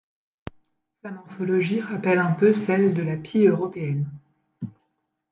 Sa morphologie rappelle un peu celle de la pie européenne.